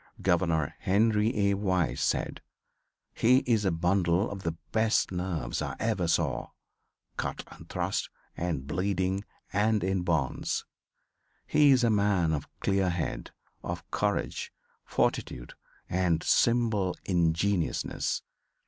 Governor Henry A. Wise said: "He is a bundle of the best nerves I ever saw, cut and thrust; and bleeding and in bonds. He is a man of clear head, of courage, fortitude and simple ingenuousness.